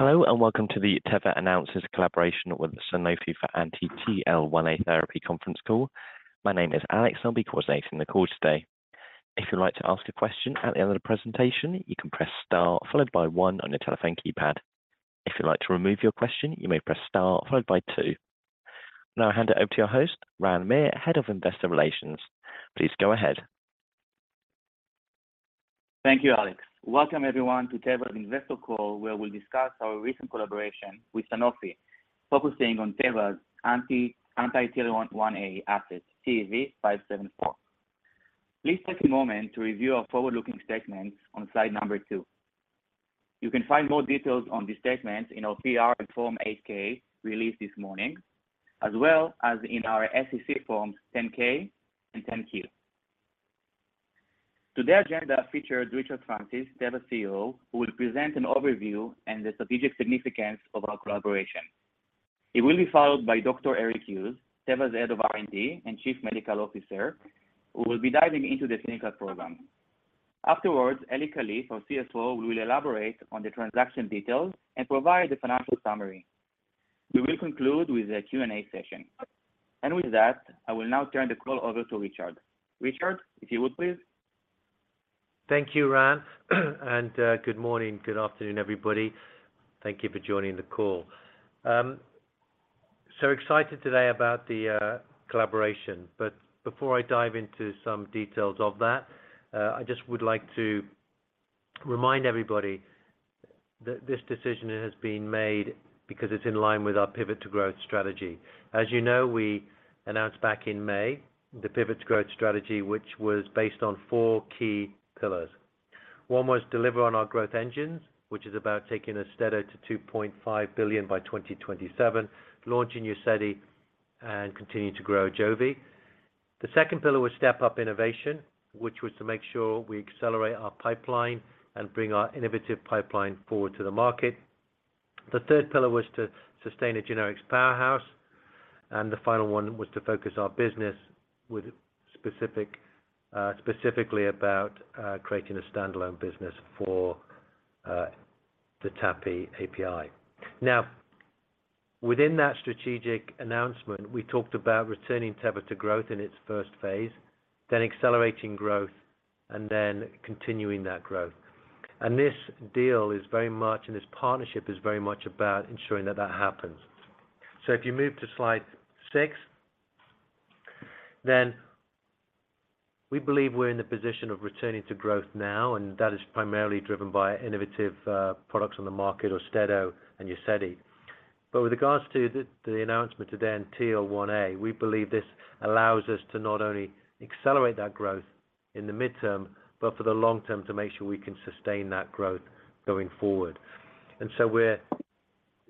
Hello, and welcome to the Teva Announces Collaboration with Sanofi for Anti-TL1A Therapy conference call. My name is Alex, I'll be coordinating the call today. If you'd like to ask a question at the end of the presentation, you can press star followed by one on your telephone keypad. If you'd like to remove your question, you may press star followed by two. Now I'll hand it over to your host, Ran Meir, Head of Investor Relations. Please go ahead. Thank you, Alex. Welcome, everyone, to Teva Investor Call, where we'll discuss our recent collaboration with Sanofi, focusing on Teva's anti-TL1A asset, TEV-574. Please take a moment to review our forward-looking statements on slide number two. You can find more details on this statement in our PR and Form 8-K released this morning, as well as in our SEC forms, 10-K and 10-Q. Today's agenda features Richard Francis, Teva's CEO, who will present an overview and the strategic significance of our collaboration. He will be followed by Dr. Eric Hughes, Teva's Head of R&D and Chief Medical Officer, who will be diving into the clinical program. Afterwards, Eli Kalif, our CFO, will elaborate on the transaction details and provide a financial summary. We will conclude with a Q&A session. With that, I will now turn the call over to Richard. Richard, if you would, please. Thank you, Ran, and good morning, good afternoon, everybody. Thank you for joining the call. So excited today about the collaboration, but before I dive into some details of that, I just would like to remind everybody that this decision has been made because it's in line with our Pivot to Growth strategy. As you know, we announced back in May, the Pivot to Growth strategy, which was based on four key pillars. One was deliver on our growth engines, which is about taking AUSTEDO to $2.5 billion by 2027, launching UZEDY, and continuing to grow AJOVY. The second pillar was step up innovation, which was to make sure we accelerate our pipeline and bring our innovative pipeline forward to the market. The third pillar was to sustain a generics powerhouse, and the final one was to focus our business specifically about creating a standalone business for the TAPI, API. Now, within that strategic announcement, we talked about returning Teva to growth in its first phase, then accelerating growth, and then continuing that growth. This deal is very much, and this partnership is very much about ensuring that that happens. So if you move to slide six, then we believe we're in the position of returning to growth now, and that is primarily driven by innovative products on the market, AUSTEDO and UZEDY. But with regards to the announcement today on TL1A, we believe this allows us to not only accelerate that growth in the midterm, but for the long term, to make sure we can sustain that growth going forward. And so we're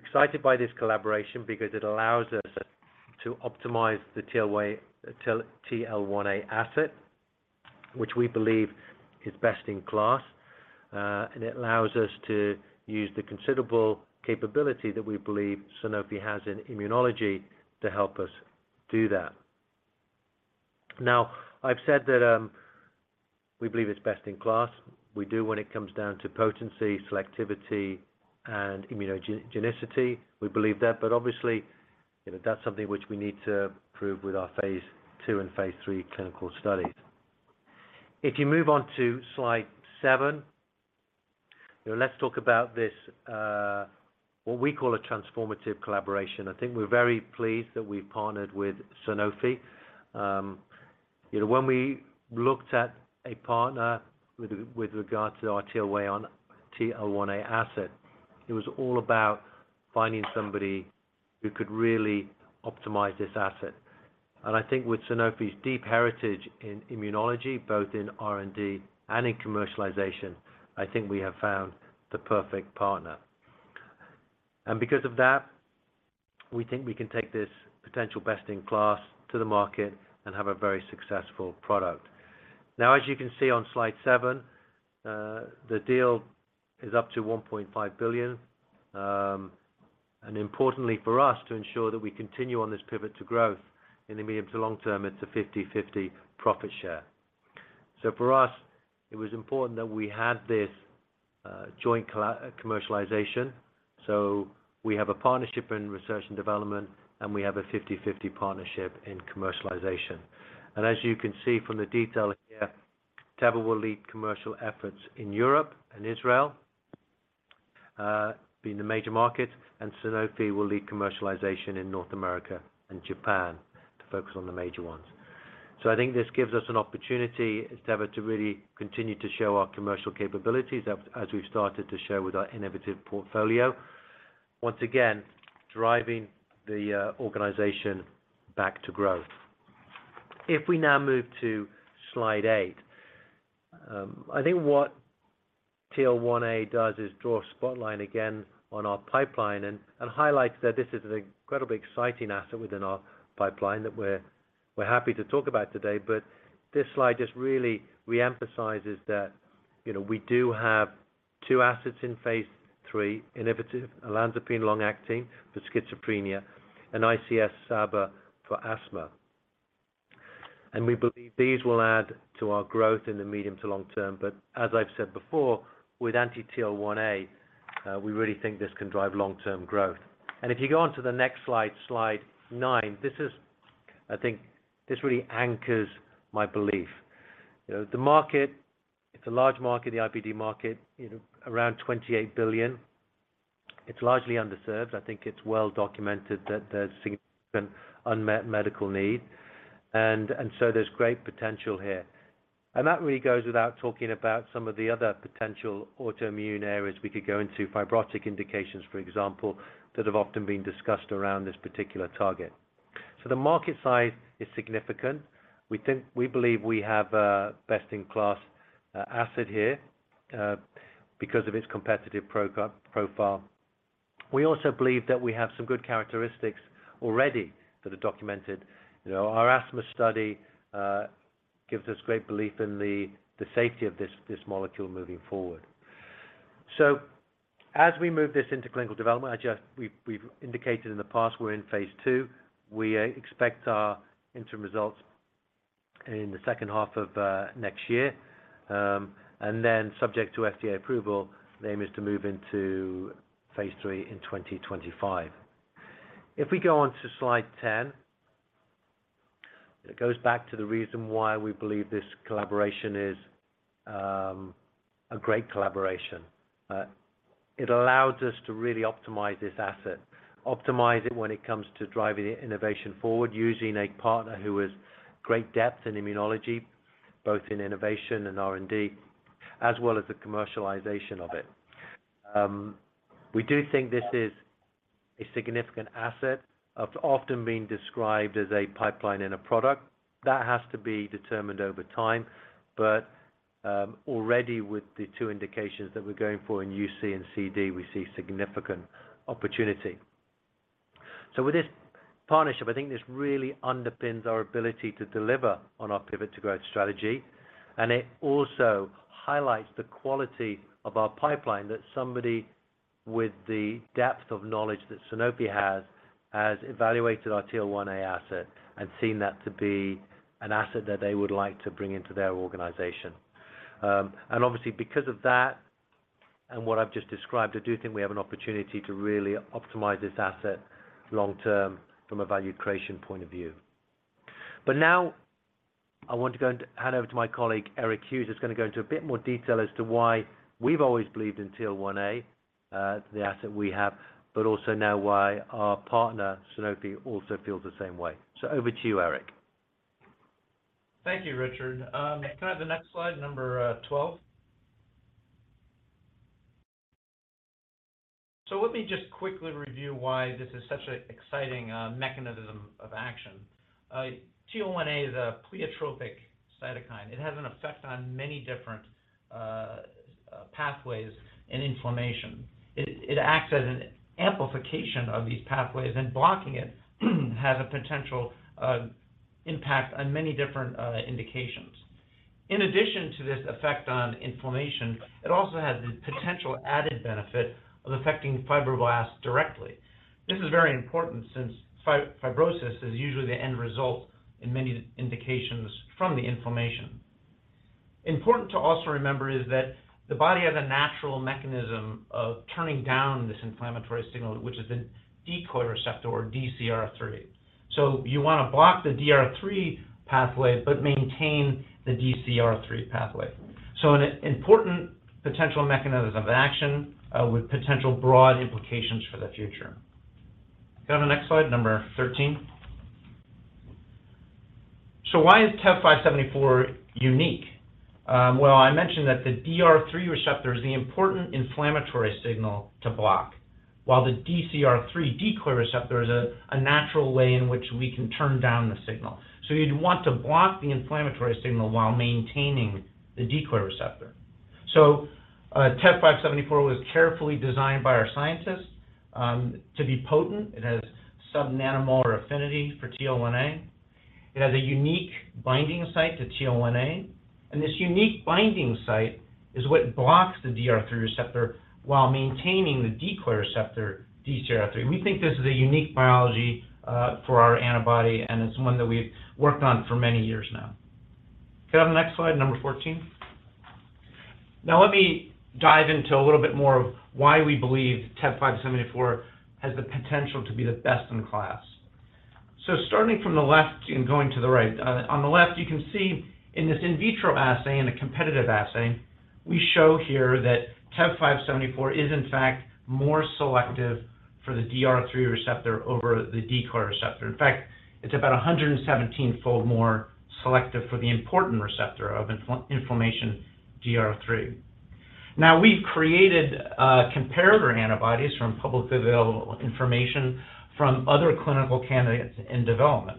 excited by this collaboration because it allows us to optimize the TL1A asset, which we believe is best-in-class, and it allows us to use the considerable capability that we believe Sanofi has in immunology to help us do that. Now, I've said that, we believe it's best-in-class. We do when it comes down to potency, selectivity, and immunogenicity. We believe that, but obviously, you know, that's something which we need to prove with our phase II and phase III clinical studies. If you move on to slide seven, let's talk about this, what we call a transformative collaboration. I think we're very pleased that we've partnered with Sanofi. You know, when we looked at a partner with regard to our TL1A asset, it was all about finding somebody who could really optimize this asset. I think with Sanofi's deep heritage in immunology, both in R&D and in commercialization, I think we have found the perfect partner. And because of that, we think we can take this potential best-in-class to the market and have a very successful product. Now, as you can see on slide seven, the deal is up to $1.5 billion. And importantly for us, to ensure that we continue on this Pivot to Growth in the medium to long term, it's a 50/50 profit share. So for us, it was important that we had this joint commercialization. So we have a partnership in research and development, and we have a 50/50 partnership in commercialization. As you can see from the detail here, Teva will lead commercial efforts in Europe and Israel, being the major market, and Sanofi will lead commercialization in North America and Japan to focus on the major ones. So I think this gives us an opportunity as Teva to really continue to show our commercial capabilities as we've started to show with our innovative portfolio. Once again, driving the organization back to growth. If we now move to slide eight, I think what TL1A does is draw a spotlight again on our pipeline and highlights that this is an incredibly exciting asset within our pipeline that we're happy to talk about today. But this slide just really re-emphasizes that, you know, we do have two assets in phase III, innovative olanzapine long-acting for schizophrenia and ICS/SABA for asthma. And we believe these will add to our growth in the medium to long term. But as I've said before, with anti-TL1A, we really think this can drive long-term growth. And if you go on to the next slide, slide nine, this is, I think this really anchors my belief. You know, the market, it's a large market, the IBD market, you know, around $28 billion. It's largely underserved. I think it's well documented that there's significant unmet medical need, and so there's great potential here. And that really goes without talking about some of the other potential autoimmune areas we could go into, fibrotic indications, for example, that have often been discussed around this particular target. So the market size is significant. We think we believe we have a best-in-class asset here because of its competitive profile. We also believe that we have some good characteristics already that are documented. You know, our asthma study gives us great belief in the safety of this molecule moving forward. So as we move this into clinical development, we've indicated in the past, we're in phase II. We expect our interim results in the second half of next year. And then subject to FDA approval, the aim is to move into phase III in 2025. If we go on to slide 10, it goes back to the reason why we believe this collaboration is a great collaboration. It allows us to really optimize this asset, optimize it when it comes to driving innovation forward, using a partner who has great depth in immunology, both in innovation and R&D, as well as the commercialization of it. We do think this is a significant asset, often being described as a pipeline in a product. That has to be determined over time, but already with the two indications that we're going for in UC and CD, we see significant opportunity. So with this partnership, I think this really underpins our ability to deliver on our pivot to growth strategy, and it also highlights the quality of our pipeline, that somebody with the depth of knowledge that Sanofi has, has evaluated our TL1A asset and seen that to be an asset that they would like to bring into their organization. And obviously, because of that, and what I've just described, I do think we have an opportunity to really optimize this asset long term from a value creation point of view. But now I want to go and hand over to my colleague, Eric Hughes, who's going to go into a bit more detail as to why we've always believed in TL1A, the asset we have, but also now why our partner, Sanofi, also feels the same way. So over to you, Eric. Thank you, Richard. Can I have the next slide, number 12? So let me just quickly review why this is such an exciting mechanism of action. TL1A is a pleiotropic cytokine. It has an effect on many different pathways in inflammation. It acts as an amplification of these pathways, and blocking it has a potential impact on many different indications. In addition to this effect on inflammation, it also has the potential added benefit of affecting fibroblasts directly. This is very important since fibrosis is usually the end result in many indications from the inflammation. Important to also remember is that the body has a natural mechanism of turning down this inflammatory signal, which is the decoy receptor, or DCR3. So you want to block the DR3 pathway, but maintain the DCR3 pathway. So an important potential mechanism of action, with potential broad implications for the future. Can I have the next slide number 13? So why is TEV-574 unique? Well, I mentioned that the DR3 receptor is the important inflammatory signal to block, while the DCR3 decoy receptor is a natural way in which we can turn down the signal. So you'd want to block the inflammatory signal while maintaining the decoy receptor. So, TEV-574 was carefully designed by our scientists to be potent. It has subnanomolar affinity for TL1A. It has a unique binding site to TL1A, and this unique binding site is what blocks the DR3 receptor while maintaining the decoy receptor, DCR3. We think this is a unique biology for our antibody, and it's one that we've worked on for many years now. Can I have the next slide number 14? Now, let me dive into a little bit more of why we believe TEV-574 has the potential to be the best in class. So starting from the left and going to the right, on the left, you can see in this in vitro assay, in a competitive assay, we show here that TEV-574 is in fact more selective for the DR3 receptor over the decoy receptor. In fact, it's about 117-fold more selective for the important receptor of inflammation, DR3. Now, we've created comparator antibodies from publicly available information from other clinical candidates in development.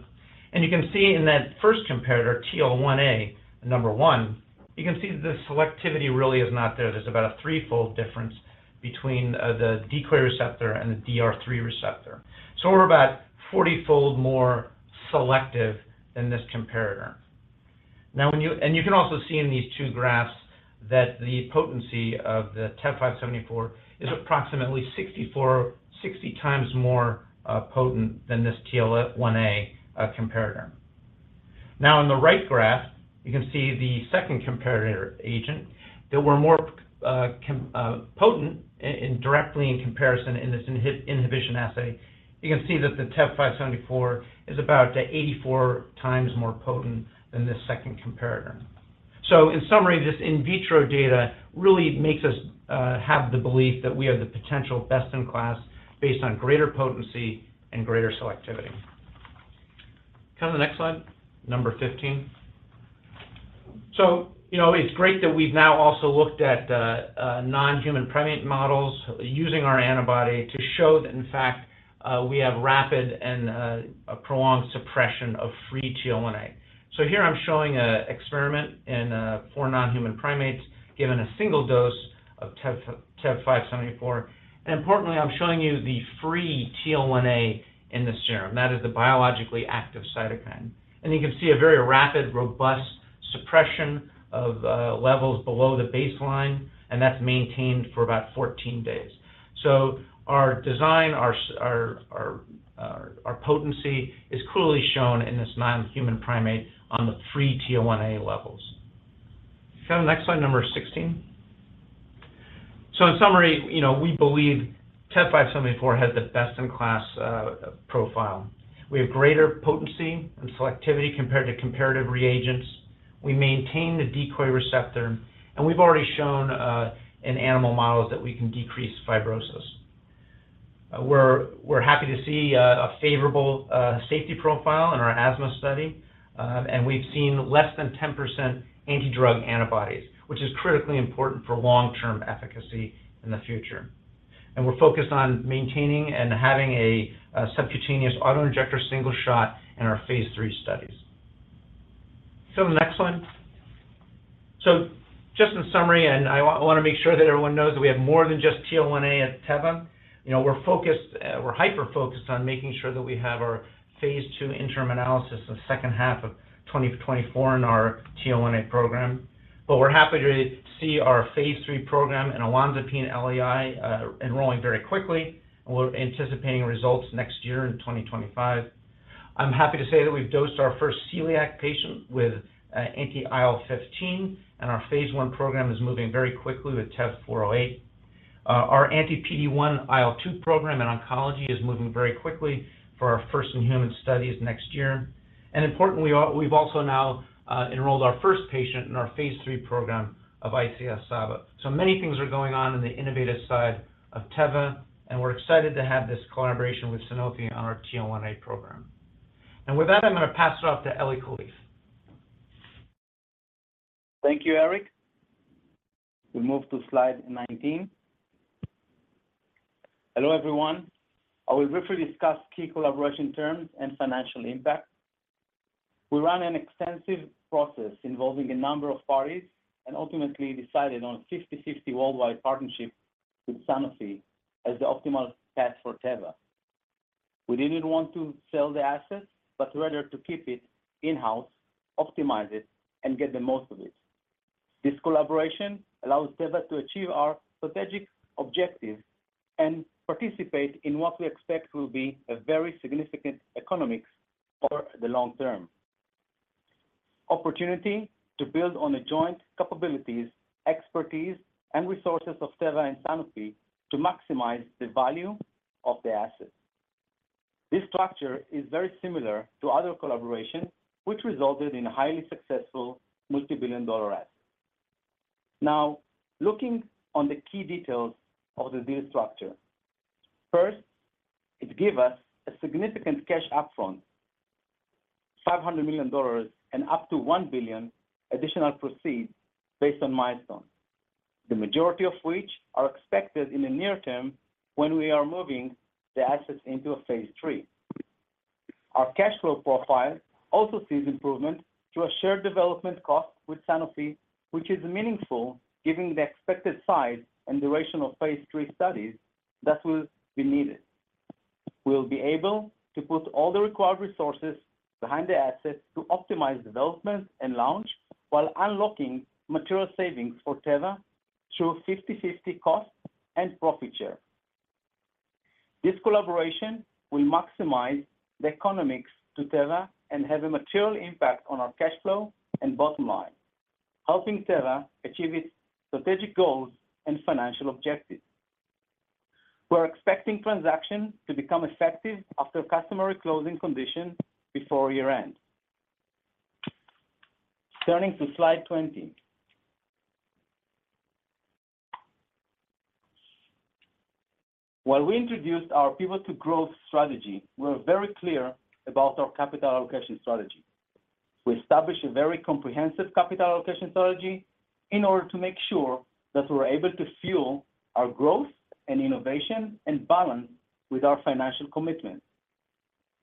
And you can see in that first comparator, TL1A number one, you can see the selectivity really is not there. There's about a threefold difference between the decoy receptor and the DR3 receptor. So we're about 40-fold more selective than this comparator. Now, when you and you can also see in these two graphs that the potency of the TEV-574 is approximately 64, 60 times more potent than this TL1A comparator. Now, in the right graph, you can see the second comparator agent that were more potent directly in comparison in this inhibition assay. You can see that the TEV-574 is about 84 times more potent than this second comparator. So in summary, this in vitro data really makes us have the belief that we are the potential best in class based on greater potency and greater selectivity. Can I have the next slide? Number 15. So, you know, it's great that we've now also looked at non-human primate models using our antibody to show that, in fact, we have rapid and a prolonged suppression of free TL1A. So here I'm showing an experiment in four non-human primates, given a single dose of TEV-574. And importantly, I'm showing you the free TL1A in the serum. That is the biologically active cytokine. And you can see a very rapid, robust suppression of levels below the baseline, and that's maintained for about 14 days. So our design, our potency is clearly shown in this non-human primate on the free TL1A levels. Can I have the next slide, number 16? So in summary, you know, we believe TEV-574 has the best-in-class profile. We have greater potency and selectivity compared to comparative reagents. We maintain the decoy receptor, and we've already shown in animal models that we can decrease fibrosis. We're happy to see a favorable safety profile in our asthma study, and we've seen less than 10% anti-drug antibodies, which is critically important for long-term efficacy in the future. We're focused on maintaining and having a subcutaneous auto-injector single shot in our phase III studies. Go to the next slide. So just in summary, I want to make sure that everyone knows that we have more than just TL1A at Teva. You know, we're focused, we're hyper-focused on making sure that we have our phase II interim analysis of the second half of 2024 in our TL1A program. But we're happy to see our phase III program in olanzapine LAI enrolling very quickly, and we're anticipating results next year in 2025. I'm happy to say that we've dosed our first celiac patient with anti-IL-15, and our phase I program is moving very quickly with TEV-408. Our anti-PD-1 IL-2 program in oncology is moving very quickly for our first in-human studies next year. And importantly, we've also now enrolled our first patient in our phase III program of ICS/SABA. So many things are going on in the innovative side of Teva, and we're excited to have this collaboration with Sanofi on our TL1A program. And with that, I'm going to pass it off to Eli Kalif. Thank you, Eric. We move to slide 19. Hello, everyone. I will briefly discuss key collaboration terms and financial impact. We ran an extensive process involving a number of parties and ultimately decided on a 50/50 worldwide partnership with Sanofi as the optimal path for Teva. We didn't want to sell the assets, but rather to keep it in-house, optimize it, and get the most of it. This collaboration allows Teva to achieve our strategic objectives and participate in what we expect will be a very significant economics for the long term. Opportunity to build on the joint capabilities, expertise, and resources of Teva and Sanofi to maximize the value of the assets. This structure is very similar to other collaborations, which resulted in a highly successful multi-billion-dollar asset. Now, looking on the key details of the deal structure. First, it gives us a significant cash upfront, $500 million and up to $1 billion additional proceeds based on milestones, the majority of which are expected in the near term when we are moving the assets into a phase III. Our cash flow profile also sees improvement through a shared development cost with Sanofi, which is meaningful given the expected size and duration of phase III studies that will be needed. We'll be able to put all the required resources behind the assets to optimize development and launch while unlocking material savings for Teva through a 50/50 cost and profit share. This collaboration will maximize the economics to Teva and have a material impact on our cash flow and bottom line, helping Teva achieve its strategic goals and financial objectives. We're expecting the transaction to become effective after customary closing conditions before year-end. Turning to slide 20. While we introduced our Pivot to Growth strategy, we're very clear about our capital allocation strategy. We established a very comprehensive capital allocation strategy in order to make sure that we're able to fuel our growth and innovation and balance with our financial commitments.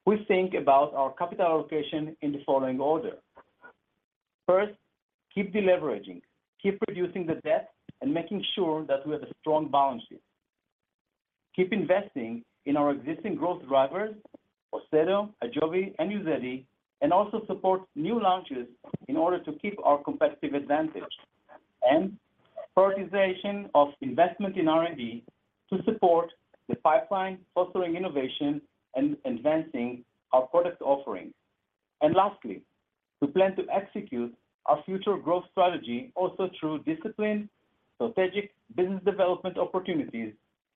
We think about our capital allocation in the following order. First, keep de-leveraging, keep reducing the debt, and making sure that we have a strong balance sheet. Keep investing in our existing growth drivers, AUSTEDO, AJOVY, and UZEDY, and also support new launches in order to keep our competitive advantage. Prioritization of investment in R&D to support the pipeline, fostering innovation, and advancing our product offerings. Lastly, we plan to execute our future growth strategy also through disciplined, strategic business development opportunities,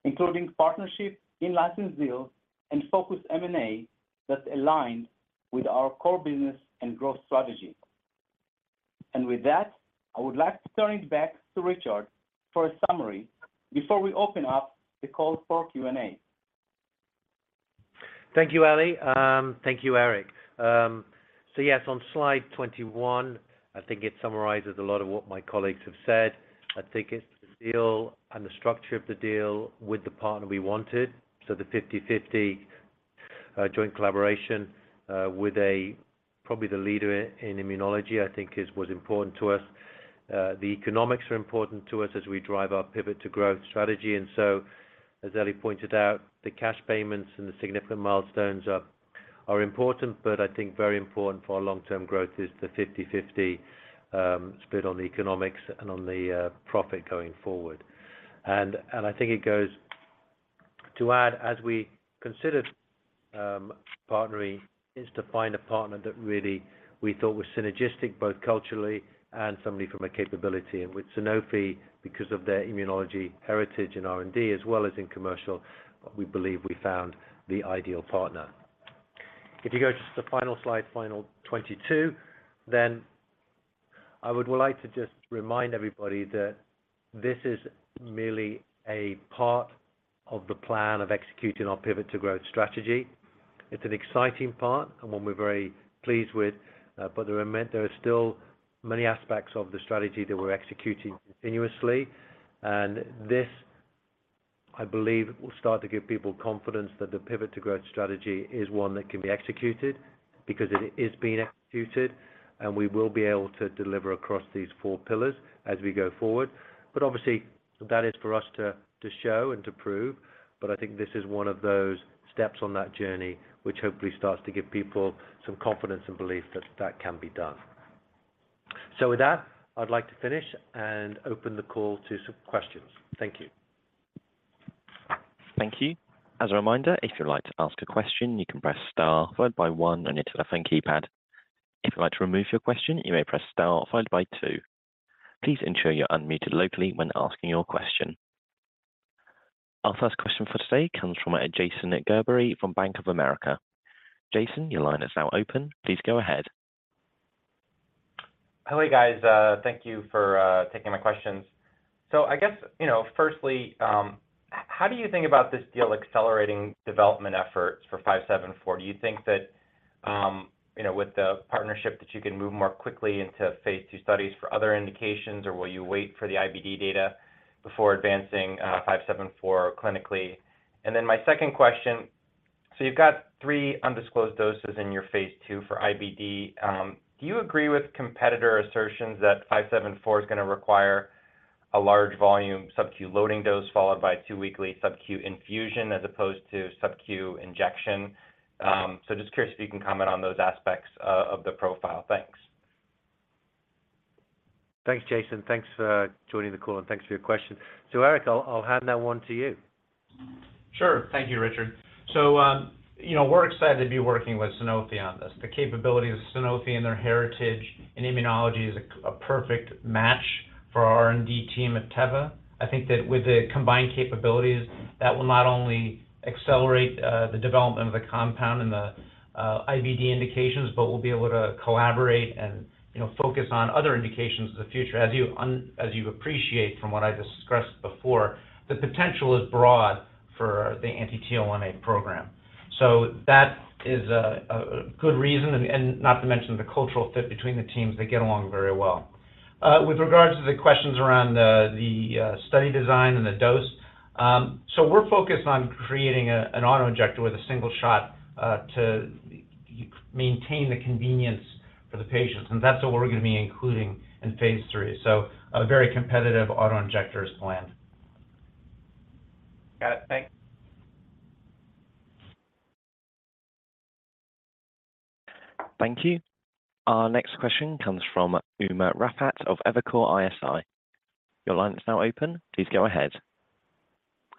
including partnerships in license deals and focused M&A that aligns with our core business and growth strategy. With that, I would like to turn it back to Richard for a summary before we open up the call for Q&A. Thank you, Eli. Thank you, Eric. So yes, on slide 21, I think it summarizes a lot of what my colleagues have said. I think it's the deal and the structure of the deal with the partner we wanted. So the 50/50 joint collaboration with a probably the leader in immunology, I think is what's important to us. The economics are important to us as we drive our Pivot to Growth strategy. And so, as Eli pointed out, the cash payments and the significant milestones are important, but I think very important for our long-term growth is the 50/50 split on the economics and on the profit going forward. And I think it goes to add, as we considered partnering, is to find a partner that really we thought was synergistic, both culturally and somebody from a capability. And with Sanofi, because of their immunology heritage in R&D as well as in commercial, we believe we found the ideal partner. If you go to the final slide, final 22, then I would like to just remind everybody that this is merely a part of the plan of executing our Pivot to Growth strategy. It's an exciting part and one we're very pleased with, but there are still many aspects of the strategy that we're executing continuously. And this, I believe, will start to give people confidence that the Pivot to Growth strategy is one that can be executed because it is being executed, and we will be able to deliver across these four pillars as we go forward. But obviously, that is for us to show and to prove, but I think this is one of those steps on that journey, which hopefully starts to give people some confidence and belief that that can be done. So with that, I'd like to finish and open the call to some questions. Thank you. Thank you. As a reminder, if you'd like to ask a question, you can press star followed by one on your telephone keypad. If you'd like to remove your question, you may press star followed by two. Please ensure you're unmuted locally when asking your question. Our first question for today comes from Jason Gerberry from Bank of America. Jason, your line is now open. Please go ahead. Hello, guys. Thank you for taking my questions. So I guess, you know, firstly, how do you think about this deal accelerating development efforts for 574? Do you think that, you know, with the partnership that you can move more quickly into phase II studies for other indications, or will you wait for the IBD data before advancing, 574 clinically? And then my second question: so you've got three undisclosed doses in your phase II for IBD. Do you agree with competitor assertions that 574 is gonna require a large volume sub-Q loading dose, followed by two weekly sub-Q infusion as opposed to sub-Q injection? So just curious if you can comment on those aspects, of the profile. Thanks. Thanks, Jason. Thanks for joining the call, and thanks for your question. So Eric, I'll, I'll hand that one to you. Sure. Thank you, Richard. So, you know, we're excited to be working with Sanofi on this. The capability of Sanofi and their heritage in immunology is a, a perfect match for our R&D team at Teva. I think that with the combined capabilities, that will not only accelerate the development of the compound and the IBD indications, but we'll be able to collaborate and, you know, focus on other indications in the future. As you appreciate from what I discussed before, the potential is broad for the anti-TL1A program. So that is a, a, a good reason, and, and not to mention the cultural fit between the teams. They get along very well. With regards to the questions around the study design and the dose, so we're focused on creating an auto-injector with a single shot to maintain the convenience for the patients, and that's what we're gonna be including in phase three. So a very competitive auto-injector is planned. Got it. Thanks. Thank you. Our next question comes from Umer Raffat of Evercore ISI. Your line is now open. Please go ahead.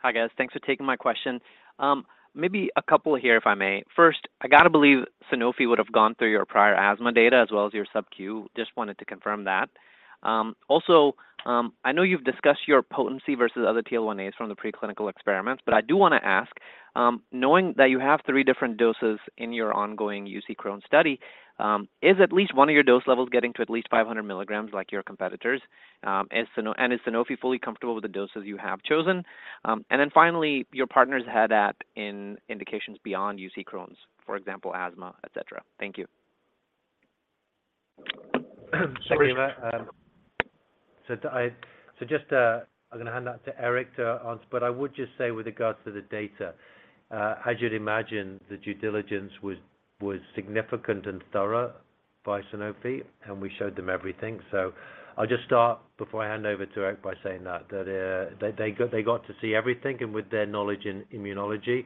Hi, guys. Thanks for taking my question. Maybe a couple here, if I may. First, I got to believe Sanofi would have gone through your prior asthma data as well as your sub-Q. Just wanted to confirm that. Also, I know you've discussed your potency versus other TL1As from the preclinical experiments, but I do wanna ask, knowing that you have three different doses in your ongoing UC Crohn's study, is at least one of your dose levels getting to at least 500 milligrams like your competitors? And is Sanofi fully comfortable with the doses you have chosen? And then finally, your partners had that in indications beyond UC Crohn's, for example, asthma, et cetera. Thank you. Sorry about that. So just, I'm gonna hand that to Eric to answer, but I would just say with regards to the data, as you'd imagine, the due diligence was significant and thorough... by Sanofi, and we showed them everything. So I'll just start, before I hand over to Eric, by saying that, they got to see everything, and with their knowledge in immunology,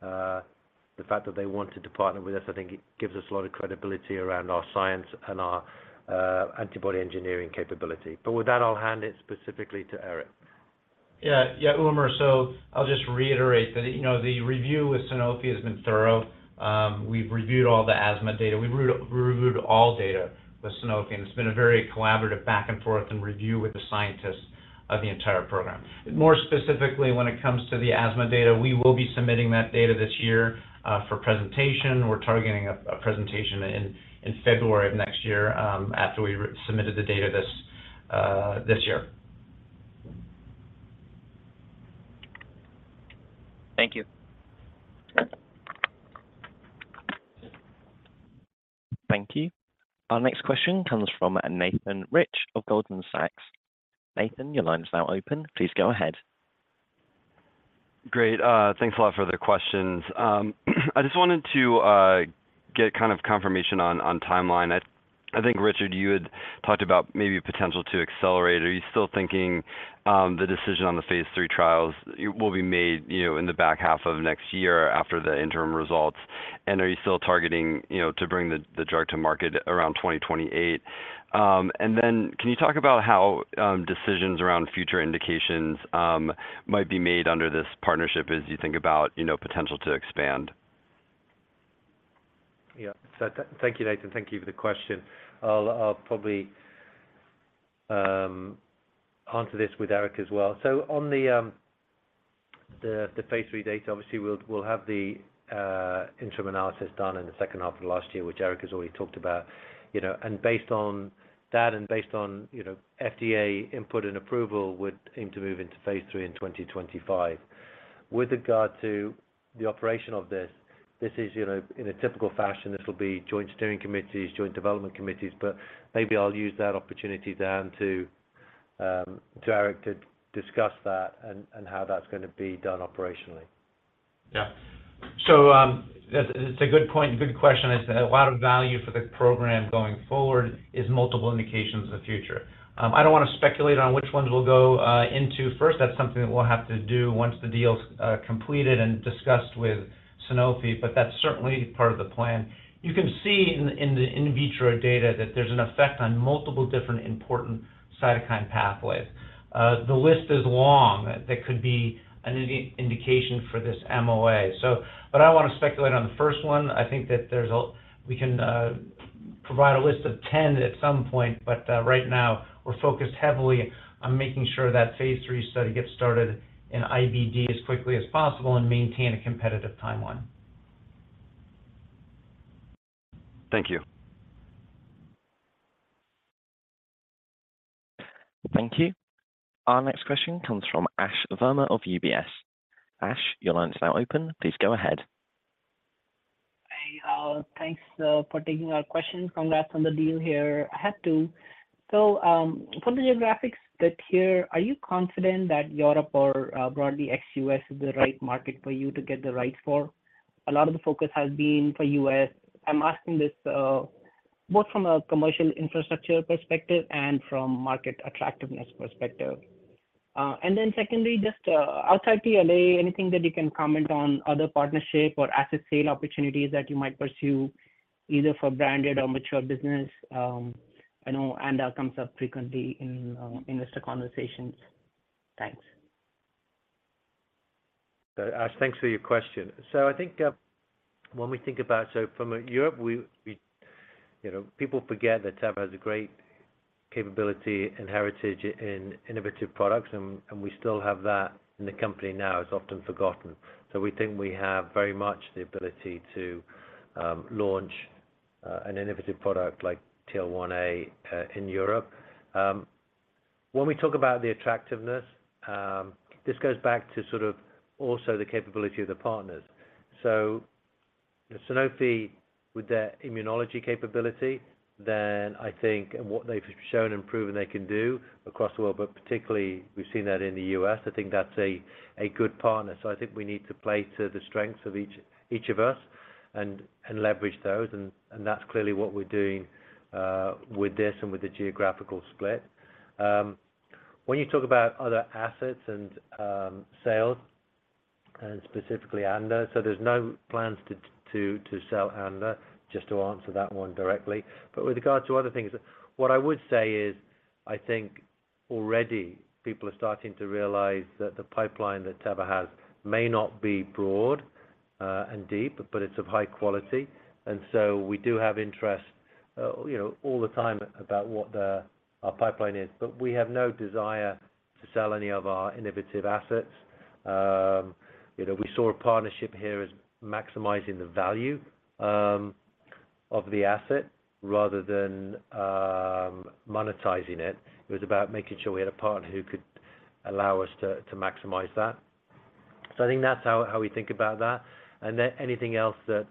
the fact that they wanted to partner with us, I think it gives us a lot of credibility around our science and our antibody engineering capability. But with that, I'll hand it specifically to Eric. Yeah, yeah, Umer, so I'll just reiterate that, you know, the review with Sanofi has been thorough. We've reviewed all the asthma data. We've re-reviewed all data with Sanofi, and it's been a very collaborative back and forth and review with the scientists of the entire program. More specifically, when it comes to the asthma data, we will be submitting that data this year for presentation. We're targeting a presentation in February of next year, after we re-submitted the data this year. Thank you. Thank you. Our next question comes from Nathan Rich of Goldman Sachs. Nathan, your line is now open. Please go ahead. Great. Thanks a lot for the questions. I just wanted to get kind of confirmation on timeline. I think, Richard, you had talked about maybe a potential to accelerate. Are you still thinking the decision on the phase III trials will be made, you know, in the back half of next year after the interim results? And are you still targeting, you know, to bring the drug to market around 2028? And then can you talk about how decisions around future indications might be made under this partnership as you think about, you know, potential to expand? Yeah. So thank you, Nathan. Thank you for the question. I'll probably answer this with Eric as well. So on the phase III data, obviously, we'll have the interim analysis done in the second half of last year, which Eric has already talked about, you know. And based on that, and based on, you know, FDA input and approval, would aim to move into phase III in 2025. With regard to the operation of this, this is, you know, in a typical fashion, this will be joint steering committees, joint development committees, but maybe I'll use that opportunity then to Eric to discuss that and how that's gonna be done operationally. Yeah. So, it's a good point, a good question. It's a lot of value for the program going forward is multiple indications in the future. I don't want to speculate on which ones we'll go into first. That's something that we'll have to do once the deal's completed and discussed with Sanofi, but that's certainly part of the plan. You can see in the in vitro data that there's an effect on multiple different important cytokine pathways. The list is long. There could be an indication for this MOA. But I don't want to speculate on the first one. I think that we can provide a list of 10 at some point, but right now, we're focused heavily on making sure that phase III study gets started in IBD as quickly as possible and maintain a competitive timeline. Thank you. Thank you. Our next question comes from Ash Verma of UBS. Ash, your line is now open. Please go ahead. Hey, thanks, for taking our question. Congrats on the deal here. So, from the geographics that here, are you confident that Europe or, broadly ex-US, is the right market for you to get the right for? A lot of the focus has been for US. I'm asking this, both from a commercial infrastructure perspective and from market attractiveness perspective. And then secondly, just, outside TL1A, anything that you can comment on other partnership or asset sale opportunities that you might pursue, either for branded or mature business? I know, and that comes up frequently in, investor conversations. Thanks. So Ash, thanks for your question. So I think, when we think about... So from Europe, we, you know, people forget that Teva has a great capability and heritage in innovative products, and we still have that in the company now. It's often forgotten. So we think we have very much the ability to launch an innovative product like TL1A in Europe. When we talk about the attractiveness, this goes back to sort of also the capability of the partners. So Sanofi, with their immunology capability, then I think, and what they've shown and proven they can do across the world, but particularly, we've seen that in the US, I think that's a good partner. So I think we need to play to the strengths of each of us and leverage those, and that's clearly what we're doing with this and with the geographical split. When you talk about other assets and sales, and specifically ANDA, so there's no plans to sell ANDA, just to answer that one directly. But with regard to other things, what I would say is, I think already people are starting to realize that the pipeline that Teva has may not be broad and deep, but it's of high quality. And so we do have interest you know all the time about what our pipeline is, but we have no desire to sell any of our innovative assets. You know, we saw a partnership here as maximizing the value of the asset rather than monetizing it. It was about making sure we had a partner who could allow us to maximize that. So I think that's how we think about that. And then anything else that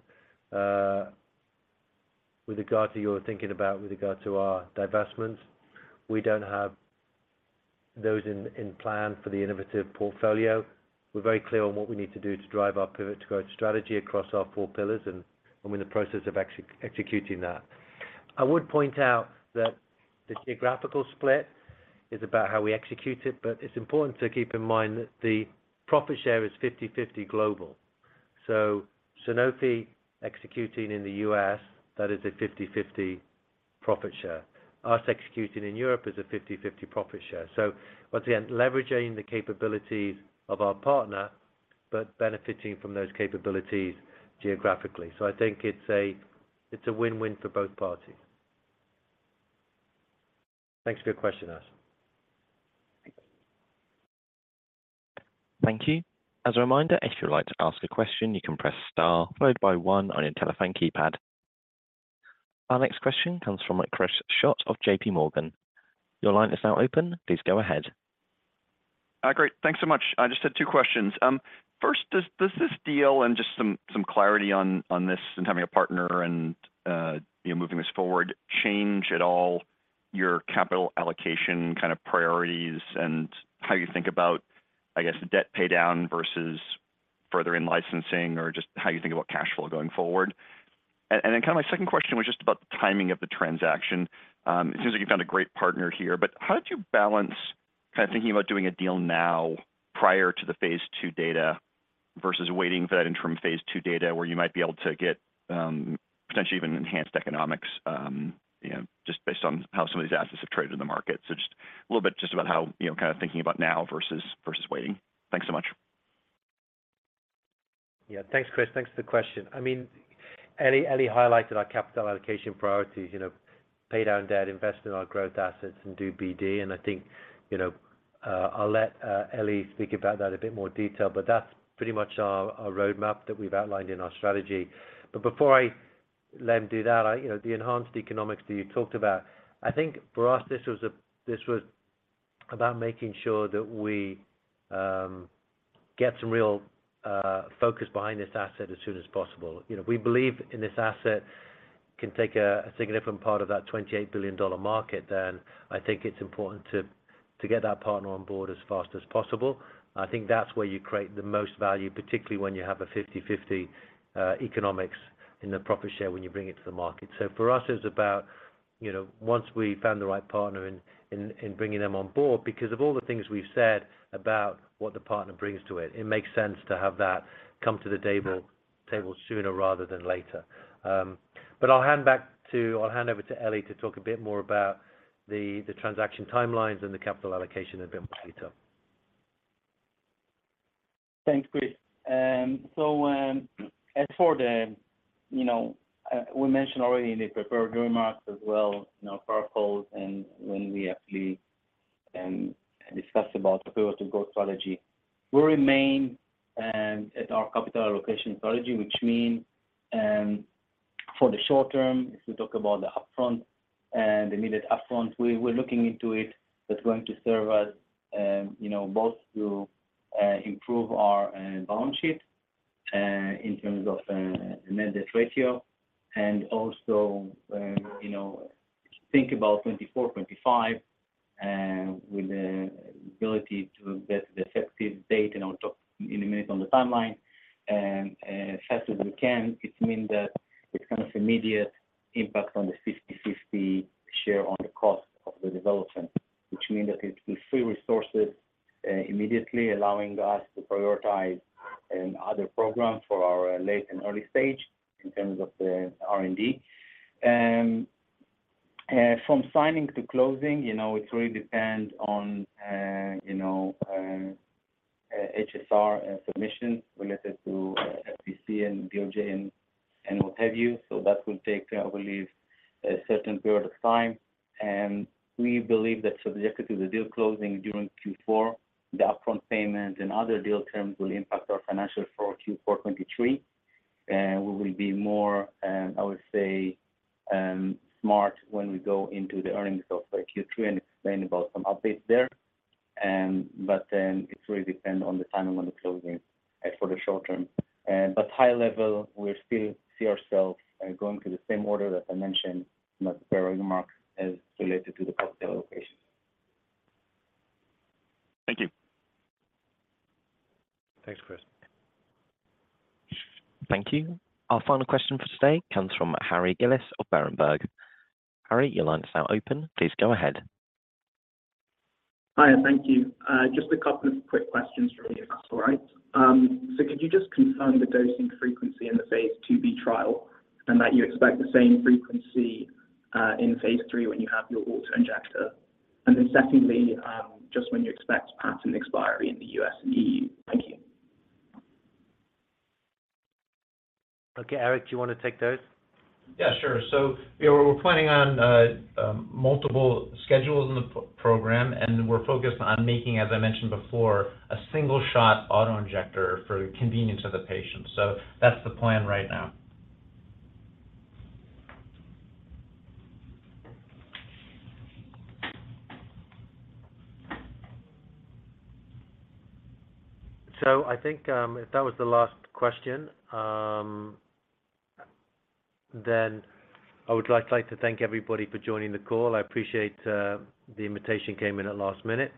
with regard to your thinking about with regard to our divestments, we don't have those in plan for the innovative portfolio. We're very clear on what we need to do to drive our pivot to growth strategy across our four pillars, and we're in the process of executing that. I would point out that the geographical split is about how we execute it, but it's important to keep in mind that the profit share is 50/50 global. So Sanofi executing in the US, that is a 50/50 profit share. Us executing in Europe is a 50/50 profit share. So once again, leveraging the capabilities of our partner, but benefiting from those capabilities geographically. I think it's a win-win for both parties. Thanks for your question, Ash. Thank you. As a reminder, if you'd like to ask a question, you can press star followed by one on your telephone keypad. Our next question comes from Chris Schott of J.P. Morgan. Your line is now open. Please go ahead. Great. Thanks so much. I just had two questions. First, does this deal and just some clarity on this and having a partner and, you know, moving this forward, change at all your capital allocation kind of priorities and how you think about, I guess, the debt paydown versus further in licensing, or just how you think about cash flow going forward? Then kind of my second question was just about the timing of the transaction. It seems like you found a great partner here, but how did you balance kind of thinking about doing a deal now prior to the phase II data, versus waiting for that interim phase II data, where you might be able to get, potentially even enhanced economics, you know, just based on how some of these assets have traded in the market? Just a little bit about how, you know, kind of thinking about now versus waiting. Thanks so much. Yeah, thanks, Chris. Thanks for the question. I mean, Eli, Eli highlighted our capital allocation priorities, you know, pay down debt, invest in our growth assets, and do BD. And I think, you know, I'll let Eli speak about that in a bit more detail, but that's pretty much our, our roadmap that we've outlined in our strategy. But before I let him do that, You know, the enhanced economics that you talked about, I think for us, this was—this was about making sure that we get some real focus behind this asset as soon as possible. You know, we believe if this asset can take a significant part of that $28 billion market, then I think it's important to get that partner on board as fast as possible. I think that's where you create the most value, particularly when you have a 50/50 economics in the profit share when you bring it to the market. So for us, it's about, you know, once we found the right partner in bringing them on board, because of all the things we've said about what the partner brings to it, it makes sense to have that come to the table sooner rather than later. But I'll hand over to Eli to talk a bit more about the transaction timelines and the capital allocation in a bit more detail. Thanks, Chris. So, as for the, you know, we mentioned already in the prepared remarks as well, in our calls and when we actually discuss about the growth strategy, we remain at our capital allocation strategy, which mean for the short term, if we talk about the upfront and the immediate upfront, we're, we're looking into it, that's going to serve us, you know, both to improve our balance sheet in terms of net debt ratio. And also, you know, think about 2024, 2025 with the ability to get the effective date, and I'll talk in a minute on the timeline as faster as we can. It means that it's kind of immediate impact on the 50/50 share on the cost of the development, which mean that it will free resources, immediately, allowing us to prioritize, other programs for our late and early stage in terms of the R&D. From signing to closing, you know, it really depends on, you know, HSR, submissions related to FTC and DOJ and, and what have you. So that will take, I believe, a certain period of time. And we believe that subject to the deal closing during Q4, the upfront payment and other deal terms will impact our financial for Q4 2023. And we will be more, I would say, smart when we go into the earnings of Q3 and explain about some updates there. But then it really depends on the timing of the closing as for the short term. But high level, we still see ourselves going through the same order that I mentioned in my prepared remarks as related to the capital allocation. Thank you. Thanks, Chris. Thank you. Our final question for today comes from Harry Gillis of Berenberg. Harry, your line is now open. Please go ahead. Hi, and thank you. Just a couple of quick questions from me, if that's all right. So could you just confirm the dosing frequency in the phase 2B trial, and that you expect the same frequency, in phase II, when you have your auto injector? And then secondly, just when you expect patent expiry in the US. and EU. Thank you. Okay, Eric, do you want to take those? Yeah, sure. So we're planning on multiple schedules in the program, and we're focused on making, as I mentioned before, a single-shot auto injector for the convenience of the patient. So that's the plan right now. So I think, if that was the last question, then I would like to thank everybody for joining the call. I appreciate the invitation came in at last minute,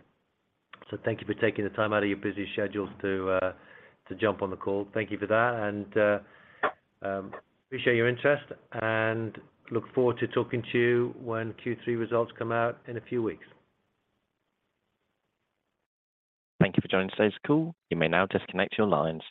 so thank you for taking the time out of your busy schedules to jump on the call. Thank you for that, and appreciate your interest, and look forward to talking to you when Q3 results come out in a few weeks. Thank you for joining today's call. You may now disconnect your lines.